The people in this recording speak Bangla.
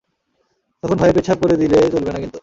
তখন ভয়ে পেচ্ছাব করে দিলে চলবে না কিন্তু।